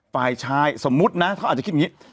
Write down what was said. ฝ่ายชายสมมุตินะเขาอาจจะคิดอย่างนี้